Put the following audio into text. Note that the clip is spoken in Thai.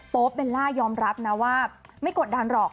เบลล่ายอมรับนะว่าไม่กดดันหรอก